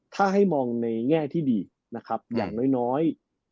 ถ้าให้มองในแง่ที่ดีนะครับอย่างน้อย